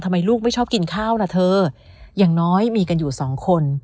ลูกไม่ชอบกินข้าวล่ะเธออย่างน้อยมีกันอยู่สองคน